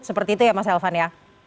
seperti itu ya mas elvan ya